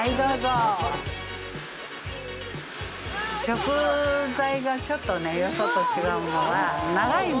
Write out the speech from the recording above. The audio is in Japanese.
食材がちょっと、よそと違うのが長芋。